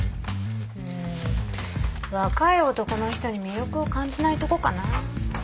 うーん若い男の人に魅力を感じないとこかな。